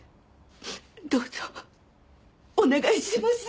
どうぞお願いします。